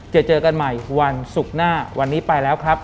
เจอเจอกันใหม่วันศุกร์หน้าวันนี้ไปแล้วครับ